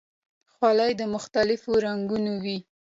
خولۍ د مختلفو رنګونو وي.